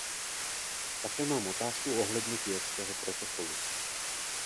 Také mám otázku ohledně Kjótského protokolu.